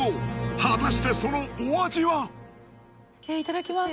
果たしてそのお味は？えいただきます。